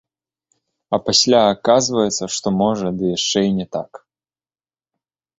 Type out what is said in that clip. А пасля аказваецца, што можа, ды яшчэ і не так.